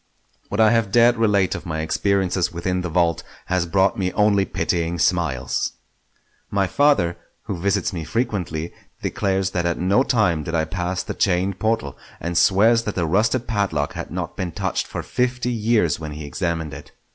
What I have dared relate of my experiences within the vault has brought me only pitying smiles. My father, who visits me frequently, declares that at no time did I pass the chained portal, and swears that the rusted padlock had not been touched for fifty years when he examined it.